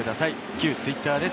旧ツイッターです。